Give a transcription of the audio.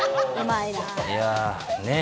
いやぁ、ねえ。